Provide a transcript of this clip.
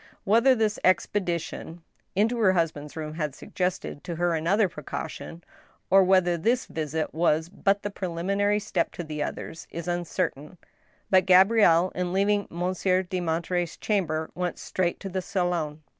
Whether this expedition into her husband's rooms had suggested to her another precaution, or whether this visit was but the prelimi nary step to others, is uncertain ; but Gabrielle, in leaving Monsieur de Monterey's chamber, went straight to the salon.